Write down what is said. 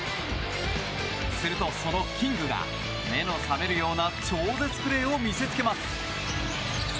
すると、そのキングが目の覚めるような超絶プレーを見せつけます。